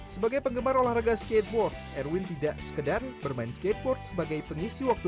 sebagai penggemar olahraga skateboard erwin tidak sekedar bermain skateboard sebagai pengisi waktu